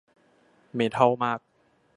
เมทัลมาก